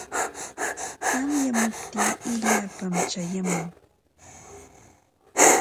Tamyamuptin illapam chayamun.